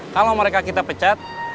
kalau mereka kita pecat